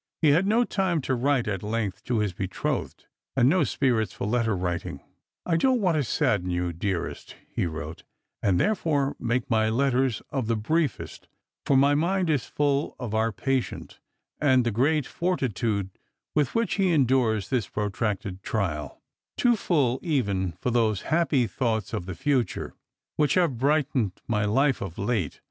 He had no time to write at length to his betrothed, and no spirits for letter writincr. " I don't want to sadden yon, dearest," he wrote, " and therefore make my letters of the briefest, for my mind is full of our patient, and the quiet fortitude with which he endures this protracted trial, too full even for those happy thoughts of the future, which have brightened my life of late.